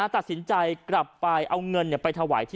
ตัดสินใจกลับไปเอาเงินไปถวายที่